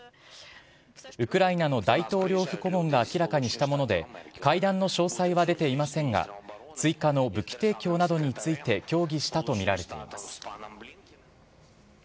ウクライナの大統領府顧問が明らかにしたもので、会談の詳細は出ていませんが、追加の武器提供などについて協議したと見られています。